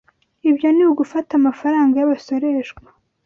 Ibyo ni uguta amafaranga yabasoreshwa.